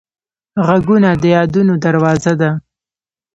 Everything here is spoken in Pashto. غږونه د یادونو دروازه ده